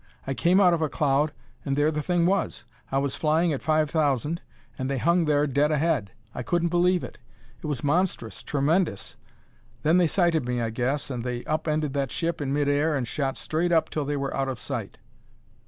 I came out of a cloud, and there the thing was. I was flying at five thousand, and they hung there dead ahead. I couldn't believe it; it was monstrous; tremendous. Then they sighted me, I guess, and they up ended that ship in mid air and shot straight up till they were out of sight."